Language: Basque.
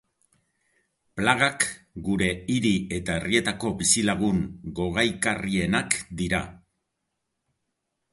Plagak, gure hiri eta herrietako bizilagun gogaikarrienak dira.